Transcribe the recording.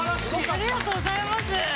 ありがとうございます。